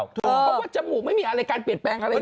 เพราะว่าจมูกไม่มีอะไรการเปลี่ยนแปลงอะไรเลย